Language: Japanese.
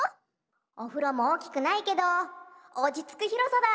おふろもおおきくないけどおちつくひろさだ。